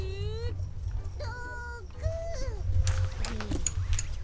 ６！えっと。